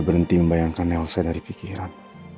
berhenti membayangkan nelsa dari pikiran